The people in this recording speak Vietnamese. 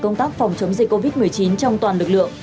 công tác phòng chống dịch covid một mươi chín trong toàn lực lượng